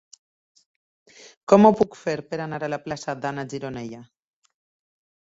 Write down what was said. Com ho puc fer per anar a la plaça d'Anna Gironella?